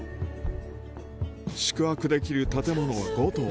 宿泊できる建物は５棟。